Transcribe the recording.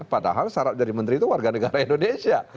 padahal syarat dari menteri itu warga negara indonesia